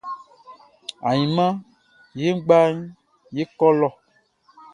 Ainman ye nʼgba ye kɔ lɔ.